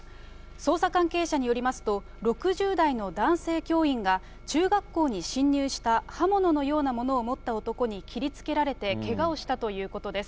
捜査関係者によりますと、６０代の男性教員が、中学校に侵入した刃物のようなものを持った男に切りつけられてけがをしたということです。